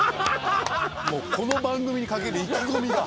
この番組にかける意気込みが。